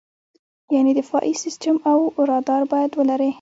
یعنې دفاعي سیستم او رادار باید ولرې.